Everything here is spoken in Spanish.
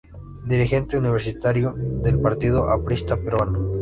Dirigente universitario del Partido Aprista Peruano.